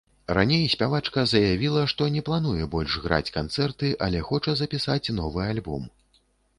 Раней спявачка заявіла, што не плануе больш граць канцэрты, але хоча запісаць новы альбом.